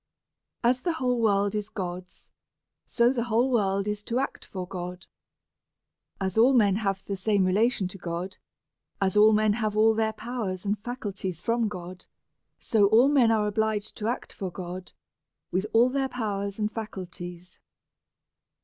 As the whole world is God's, so the whole world is to act for God. As all men have the same relation to God, as all men have all their powers and faculties from God ; so all men are obliged to act for God with all their powers and faculties.